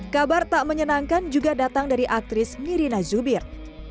kabar tak menyenangkan juga datang dari aktris nirina zubir